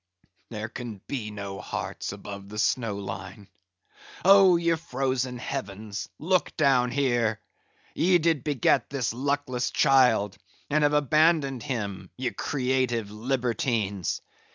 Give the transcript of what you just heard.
"There can be no hearts above the snow line. Oh, ye frozen heavens! look down here. Ye did beget this luckless child, and have abandoned him, ye creative libertines.